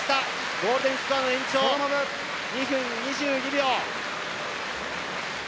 ゴールデンスコアの延長２分２２秒。